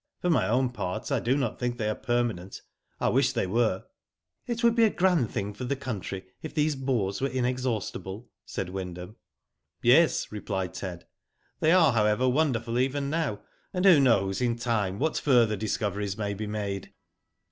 For my own part, I do not think they are permanent. I wish they were." " It would be a grand thing for the country if these bores were inexhaustible," said Wyndham. Digitized byGoogk 58 WHO DID ITf "Yes/' replied Ted. "They are, however, wonderful even now, and who knows in time what further discoveries may be made."